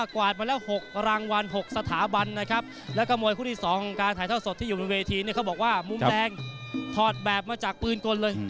กวาดมาแล้ว๖รางวัล๖สถาบันนะครับแล้วก็มวยคู่ที่๒ของการถ่ายทอดสดที่อยู่บนเวทีเนี่ยเขาบอกว่ามุมแดงถอดแบบมาจากปืนกลเลย